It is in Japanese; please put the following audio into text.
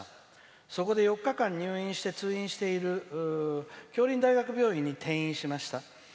そこで４日間入院して通院している大学病院に転移しました。